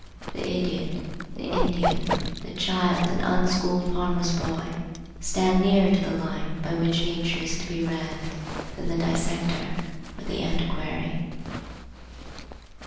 The idiot, the Indian, the child and unschooled farmer's boy stand nearer to the light by which nature is to be read, than the dissector or the antiquary.